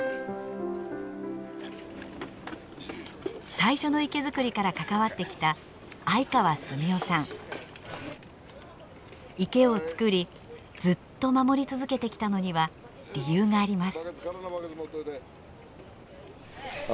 最初の池造りから関わってきた池を造りずっと守り続けてきたのには理由があります。